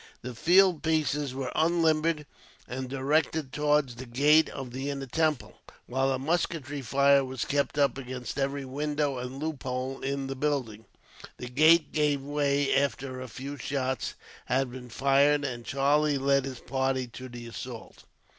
The field pieces were unlimbered, and directed towards the gate of the inner temple, while a musketry fire was kept up against every window and loophole in the building. The gate gave way after a few shots had been fired, and Charlie led his party to the assault.